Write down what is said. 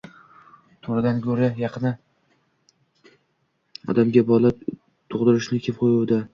To`ridan go`ri yaqin odamga bola tug`dirishni kim qo`yuvdi